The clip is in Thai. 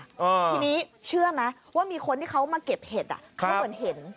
ทีนี้เชื่อไหมว่ามีคนที่เขามาเก็บเห็ดอ่ะเขาเหมือนเห็น